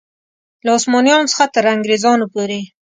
له عثمانیانو څخه تر انګرېزانو پورې.